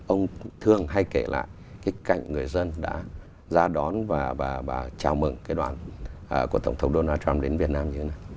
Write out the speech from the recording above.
ông thường hay kể lại cái cạnh người dân đã ra đón và chào mừng cái đoàn của tổng thống donald trump đến việt nam như thế này